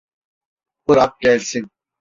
Bırak gelsin.